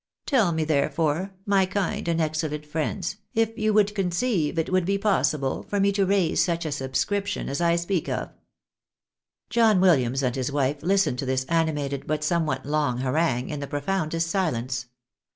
Tell me, therefore, my kind and excellent friends, if you conceive it would be possible for me to raise such a subscription as I speak of ?" John Williams and his wife listened to this animated, but some what long harangue, in the profoundest silence.